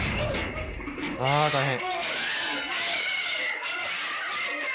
あー、大変。